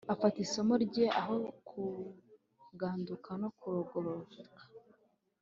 Afata isomo rye aho kuganduka no kugororoka